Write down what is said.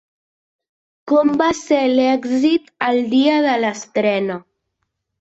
Com va ser l'èxit el dia de l'estrena?